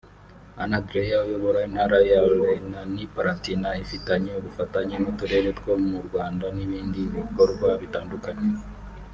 Anna Dreyer uyobora Intara ya Rhénanie-Palatinat ifitanye ubufatanye n’uturere two mu Rwanda n’ibindi bikorwa bitandukanye